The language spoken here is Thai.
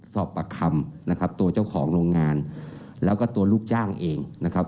สอบปากคำนะครับตัวเจ้าของโรงงานแล้วก็ตัวลูกจ้างเองนะครับ